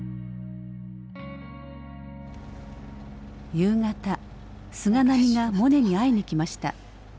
夕方菅波がモネに会いに来ました。